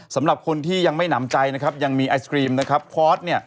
สำหรับคนที่ยังไม่หนำใจยังมีไอศกรีมพอร์ต